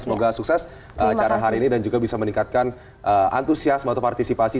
semoga sukses acara hari ini dan juga bisa meningkatkan antusiasme atau partisipasi